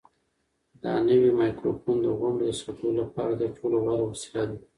دا نوی مایکروفون د غونډو د ثبتولو لپاره تر ټولو غوره وسیله ده.